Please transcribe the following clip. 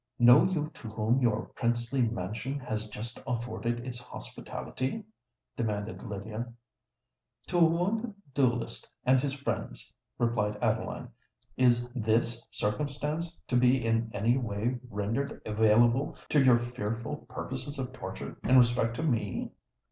"Know you to whom your princely mansion has just afforded its hospitality?" demanded Lydia. "To a wounded duellist and his friends," replied Adeline. "Is this circumstance to be in any way rendered available to your fearful purposes of torture in respect to me?"